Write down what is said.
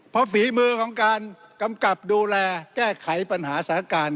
เพราะฝีมือของการกำกับดูแลแก้ไขปัญหาสถานการณ์